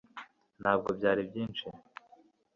ntabwo byari byinshi